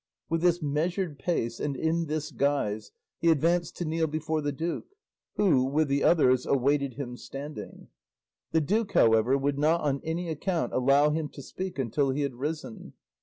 With this measured pace and in this guise he advanced to kneel before the duke, who, with the others, awaited him standing. The duke, however, would not on any account allow him to speak until he had risen.